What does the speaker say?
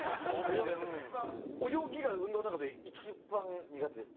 泳ぎが運動の中で一番苦手です。